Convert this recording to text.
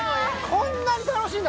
こんなに楽しいんだ。